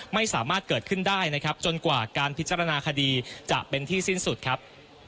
ไม่สามารถเกิดขึ้นได้นะครับจนกว่าการพิจารณาคดีจะเป็นที่สิ้นสุดครับ